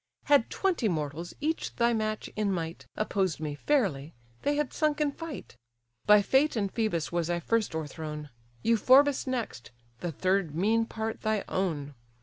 Had twenty mortals, each thy match in might, Opposed me fairly, they had sunk in fight: By fate and Phœbus was I first o'erthrown, Euphorbus next; the third mean part thy own.